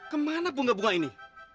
kemana bunga bunga ini